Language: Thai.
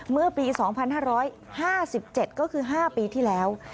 เมื่อปี๒๕๕๗ก็คือ๕ปีที่แล้ว